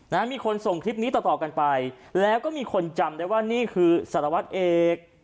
นะมีคนส่งคลิปนี้ต่อต่อกันไปแล้วก็มีคนจำได้ว่านี่คือสารวัตรเอก